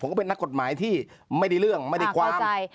ผมก็เป็นนักกฎหมายที่ไม่ได้เรื่องไม่ได้ความอ่าความใจ